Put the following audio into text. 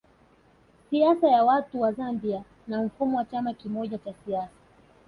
Siasa ya watu wa Zambia na mfumo wa chama kimoja cha siasa